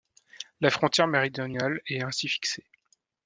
La frontière méridionale est ainsi fixée.